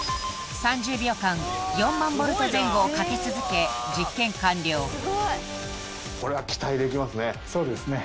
３０秒間４万ボルト前後をかけ続け実験完了そうですね